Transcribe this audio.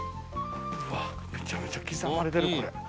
うわめちゃめちゃ刻まれてるこれ。